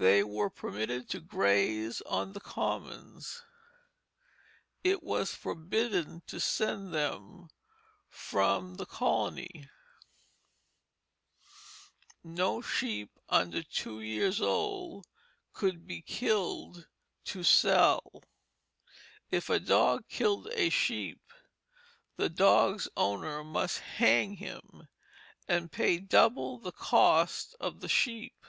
They were permitted to graze on the commons; it was forbidden to send them from the colony; no sheep under two years old could be killed to sell; if a dog killed a sheep, the dog's owner must hang him and pay double the cost of the sheep.